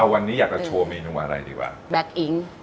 วันนี้อยากจะโชว์เมนูอะไรดีกว่า